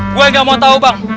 gue gak mau tahu bang